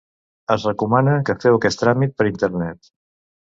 Es recomana que feu aquest tràmit per Internet.